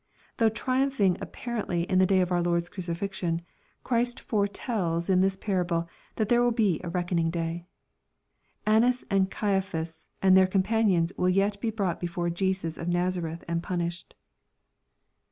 Though triumphing apparently in the day of our Lord's crucifixion, Christ foretells in this parable, that there will be a reckoning day. Annas and Caia^ phas and their companions will yet be brought before Jesus o'* Nazareth and punished.